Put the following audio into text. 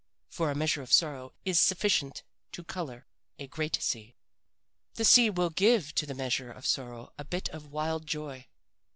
For a measure of sorrow is sufficient to color a great sea. "The sea will give to the measure of sorrow a bit of wild joy.